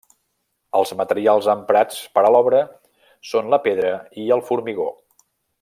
Els materials emprats per a l'obra són la pedra i el formigó.